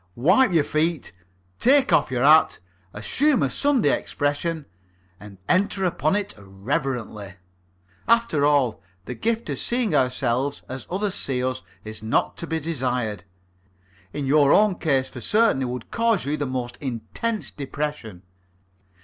Wipe your feet, take off your hat, assume a Sunday expression, and enter upon it reverently. After all, the gift of seeing ourselves as others see us is not to be desired. In your case for certain it would cause you the most intense depression.